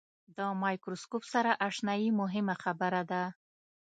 د مایکروسکوپ سره آشنایي مهمه برخه ده.